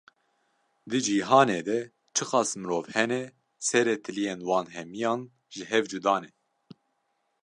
Di cîhanê de çiqas mirov hene, serê tiliyên wan hemiyan ji hev cuda ne!